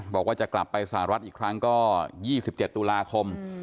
บอกว่าจะกลับไปสหรัฐอีกครั้งก็๒๗ตุลาคม